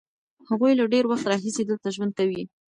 هغوی له ډېر وخت راهیسې دلته ژوند کوي.